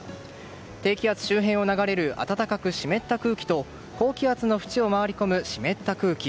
低気圧周辺を流れる暖かく湿った空気と高気圧のふちを回り込む湿った空気。